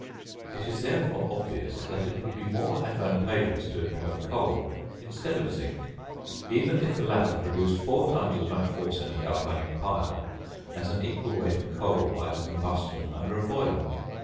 It is therefore obvious that it would be more advantageous to employ coal instead of zinc, even if the latter produced four times as much force in a galvanic pile, as an equal weight of coal by its combustion under a boiler.